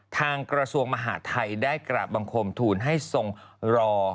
ทางกระทรวงมหาทัยได้กลับบังคมทูลให้ทรงรอ